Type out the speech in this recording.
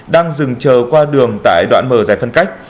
đang dừng chờ qua đường tại đoạn mở giải phân cách